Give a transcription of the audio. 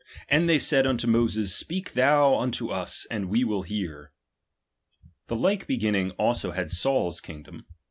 And they said unto Moses, speak thou unto us, and we will hear. The like beginning also had Saul's kingdom